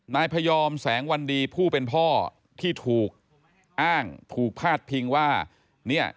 นายพยอมแสงวันดีผู้เป็นพ่อที่ถูกอ้างถูกพาดพิงว่าเนี่ย